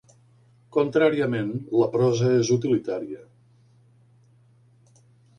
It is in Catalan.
Contràriament, la prosa és utilitària.